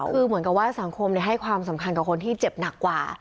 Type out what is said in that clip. คือเหมือนกับว่าสังคมให้ความสำคัญกับคนที่เจ็บหนักกว่า